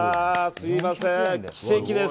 すみません、奇跡です。